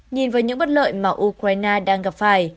nhìn vào những bất lợi mà ukraine đang gặp phải